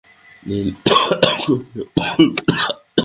লীলা কহিল, বলব না।